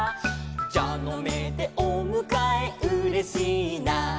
「じゃのめでおむかえうれしいな」